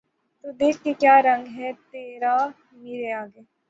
تو دیکھ کہ کیا رنگ ہے تیرا مرے آگے